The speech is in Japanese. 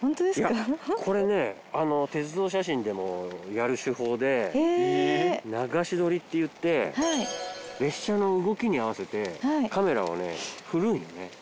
いやこれね鉄道写真でもやる手法で流し撮りっていって列車の動きに合わせてカメラをね振るんよね。